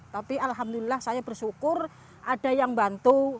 tapi alhamdulillah saya bersyukur ada yang bantu